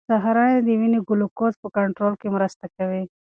سهارنۍ د وینې ګلوکوز په کنټرول کې مرسته کوي.